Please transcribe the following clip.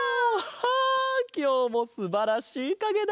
あきょうもすばらしいかげだ